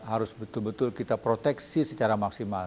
harus betul betul kita proteksi secara maksimal